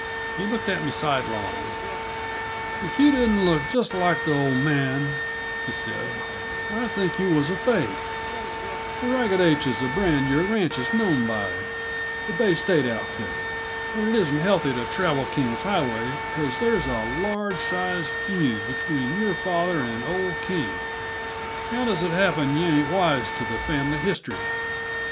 He looked at me sidelong. "If you didn't look just like the old man," he said, "I'd think yuh were a fake; the Ragged H is the brand your ranch is known by the Bay State outfit. And it isn't healthy to travel King's Highway, because there's a large sized feud between your father and old King. How does it happen yuh aren't wise to the family history?"